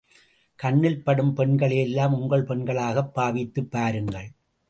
கண்ணில் படும் பெண்களையெல்லாம், உங்கள் பெண்களாகப் பாவித்துப் பாருங்கள்.